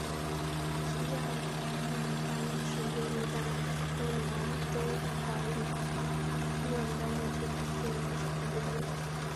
西加里曼丹是印尼在婆罗洲岛加里曼丹地区的四个省份之一。